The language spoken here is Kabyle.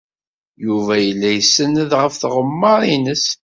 Yuba yella isenned ɣef tɣemmar-nnes.